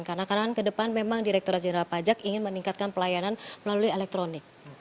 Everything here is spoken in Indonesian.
karena ke depan memang direkturat jenderal pajak ingin meningkatkan pelayanan melalui elektronik